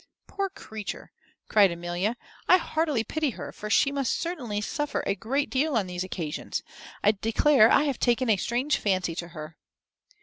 "Poor creature!" cries Amelia; "I heartily pity her, for she must certainly suffer a great deal on these occasions. I declare I have taken a strange fancy to her."